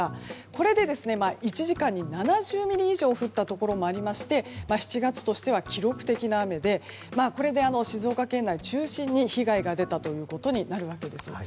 これで１時間に７０ミリ以上降ったところもありまして７月としては記録的な雨でこれで静岡県内を中心に被害が出たことになるわけです。